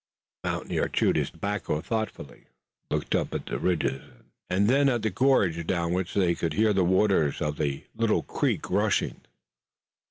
The mountaineer chewed his tobacco thoughtfully, looked up at the ridges, and then at the gorge down which they could hear the waters of the little creek rushing.